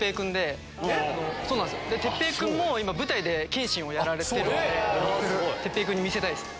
徹平君も今舞台で剣心をやられてるので徹平君に見せたいです。